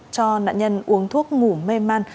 cho nạn nhân uống thuốc ngủ mê man